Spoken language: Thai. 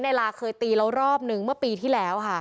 ลาเคยตีแล้วรอบนึงเมื่อปีที่แล้วค่ะ